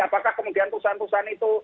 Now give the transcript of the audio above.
apakah kemudian perusahaan perusahaan itu